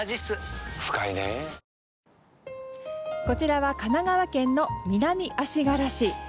こちらは神奈川県の南足柄市。